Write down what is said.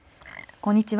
こんにちは。